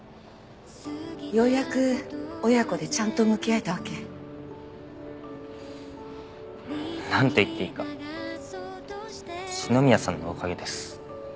ようやく親子でちゃんと向き合えたわけ。なんて言っていいか篠宮さんのおかげです。